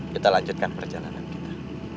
kita lanjutkan perjalanan kita